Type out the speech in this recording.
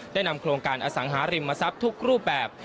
ได้นำโครงการอสังหาริมทรัพย์ทุกรูปแบบ